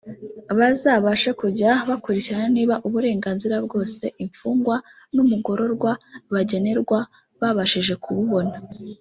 bazabashe kujya bakurikirana niba uburenganzira bwose imfungwa n’umugororwa bagenerwa babashije kububona